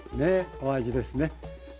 お味ですね。